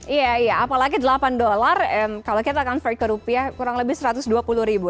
iya iya apalagi delapan dolar kalau kita convert ke rupiah kurang lebih satu ratus dua puluh ribu